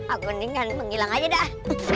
aku mendingan menghilang aja dah